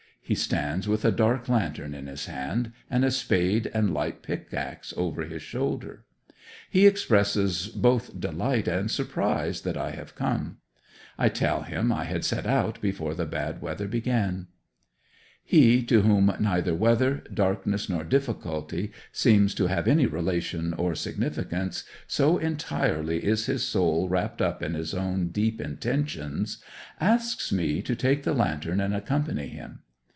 He stands with a dark lantern in his hand and a spade and light pickaxe over his shoulder. He expresses both delight and surprise that I have come. I tell him I had set out before the bad weather began. He, to whom neither weather, darkness, nor difficulty seems to have any relation or significance, so entirely is his soul wrapped up in his own deep intentions, asks me to take the lantern and accompany him.